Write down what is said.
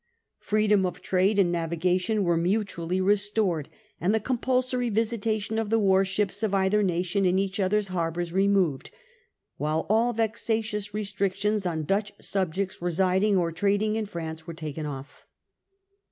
Freedom of trade and navigation was mutually restored, and the compulsory visitation of the warships of either nation in each other's harbours removed, while all vexa tious restrictions on Dutch subjects residing or trading in France were taken off.